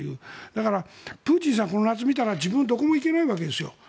だから、プーチンさんこの夏見たら自分どこも行けないわけですよ。